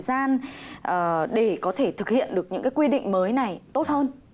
phải chăng là chúng ta cần thêm thời gian để có thể thực hiện được những cái quy định mới này tốt hơn